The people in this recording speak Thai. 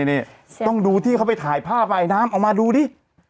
นี่ต้องดูที่เขาไปถ่ายภาพอายน้ำออกมาดูดิ